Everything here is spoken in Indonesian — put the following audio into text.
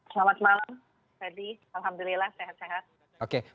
selamat malam ferdi alhamdulillah sehat sehat